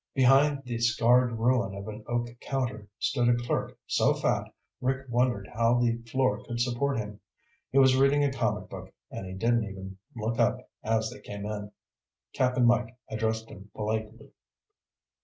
Behind the scarred ruin of an oak counter stood a clerk so fat Rick wondered how the floor could support him. He was reading a comic book, and he didn't even look up as they came in. Cap'n Mike addressed him politely.